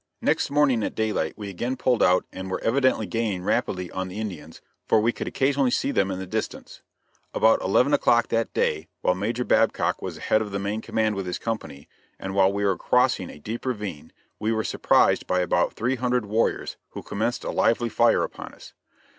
Next morning at daylight we again pulled out and were evidently gaining rapidly on the Indians for we could occasionally see them in the distance. About 11 o'clock that day while Major Babcock was ahead of the main command with his company, and while we were crossing a deep ravine, we were surprised by about three hundred warriors who commenced a lively fire upon us.